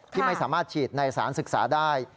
ที่ไม่สามารถฉีดในสารศึกษาได้